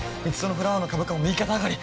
フラワーの株価も右肩上がり